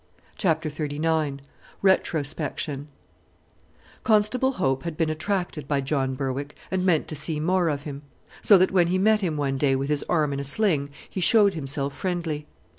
CHAPTER XXXIX RETROSPECTION Constable Hope had been attracted by John Berwick, and meant to see more of him. So that when he met him one day with his arm in a sling he showed himself friendly.